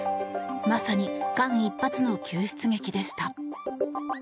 まさに間一髪の救出劇でした。